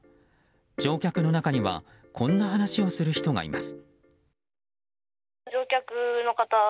乗客の中にはこんな話をする人がいます。